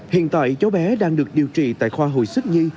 hiện tại cháu bé đang được điều trị tại khoa hồi sức nhi